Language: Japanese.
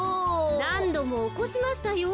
なんどもおこしましたよ。